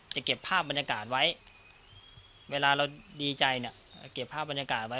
เก็บภาพบรรยากาศไว้เวลาเราดีใจเนี่ยเก็บภาพบรรยากาศไว้